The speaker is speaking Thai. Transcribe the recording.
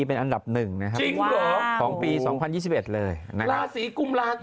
เป็นอันดับหนึ่งนะครับของปีสองพันยี่สิบเอ็ดเลยราศิกุมราศิ